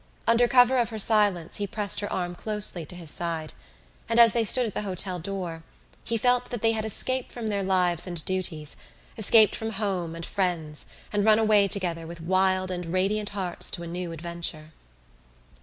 Under cover of her silence he pressed her arm closely to his side; and, as they stood at the hotel door, he felt that they had escaped from their lives and duties, escaped from home and friends and run away together with wild and radiant hearts to a new adventure.